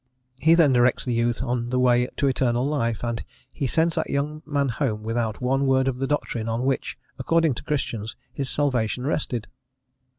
He then directs the youth on the way to eternal life, and he sends that young man home without one word of the doctrine on which, according to Christians, his salvation rested.